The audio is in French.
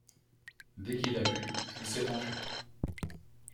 Dès qu'il a pu, il s'est enfui.